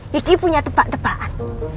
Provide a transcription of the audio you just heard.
kikiku punya tebak tebakan